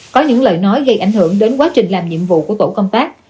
có những lời nói gây ảnh hưởng đến quá trình làm nhiệm vụ của tổ công tác